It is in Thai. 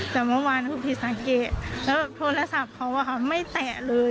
แต่เมื่อวานคุณผิดสังเกตแล้วโทรศัพท์เขาไม่แตะเลย